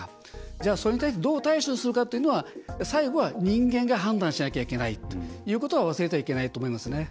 じゃあ、それに対してどう対処するかというのは最後は人間が判断しなきゃいけないということは忘れてはいけないと思いますね。